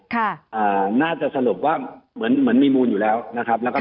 ค่ะอ่าน่าจะสรุปว่าเหมือนมีมูลอยู่แล้วนะครับนะครับ